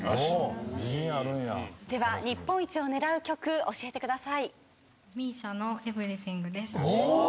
では日本一を狙う曲教えてください。